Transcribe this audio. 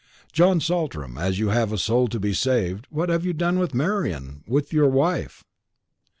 John Saltram, as you have a soul to be saved, what have you done with Marian with your wife?"